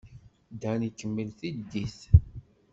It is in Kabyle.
Dan ikemmel tiddit.